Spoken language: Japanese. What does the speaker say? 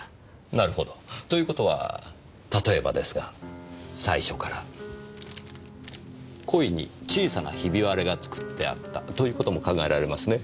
なるほど。という事は例えばですが最初から故意に小さなひび割れが作ってあったという事も考えられますね。